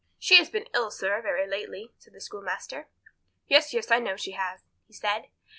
"She has been ill, sir, very lately," said the schoolmaster. "Yes, yes; I know she has," he said.